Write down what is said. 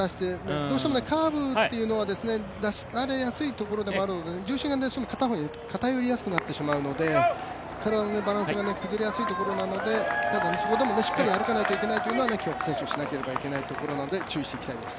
どうしてもカーブというのは出されやすいところ、重心が片方に偏りやすくなりますので体のバランスが崩れやすいところなのでそこでもしっかり歩かないといけないのが競歩選手のしなければいけないところなので注意していきたいです。